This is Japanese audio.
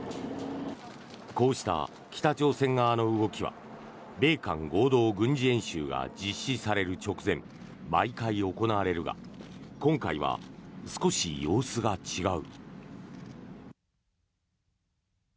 こうした北朝鮮側の動きは米韓合同軍事演習が実施される直前、毎回行われるが今回は少し様子が違う。